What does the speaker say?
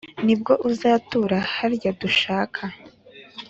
nibwo uzatura harya dushaka